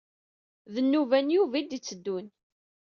D nnuba n Yuba ay d-yetteddun.